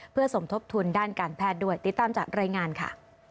เพื่อสมทบทุนด้านการแพทย์ด้วยติดตามจากรายงานค่ะ